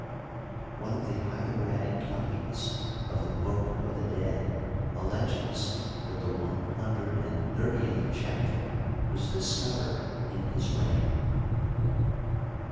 One of the Hieratic copies of the " Book of the Dead " alleges that the one hundred and thirtieth chapter was discovered in his reign.